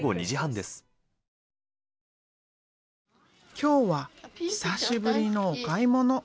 今日は久しぶりのお買い物。